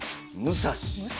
武蔵？